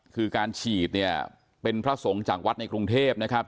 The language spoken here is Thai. คือการฉีดเนี่ยเป็นพระสงฆ์จากวัดในกรุงเทพนะครับ